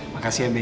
makasih ya be